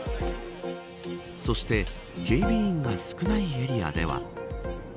そして、警備員が少ないエリアでは。